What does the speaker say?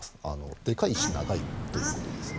でかいし長いということですね。